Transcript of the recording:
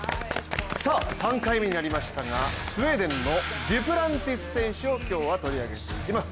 ３回目になりましたが、スウェーデンのデュプランティス選手を今日は取り上げていきます。